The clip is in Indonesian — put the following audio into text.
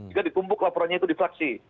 jika ditumpuk laporannya itu di fraksi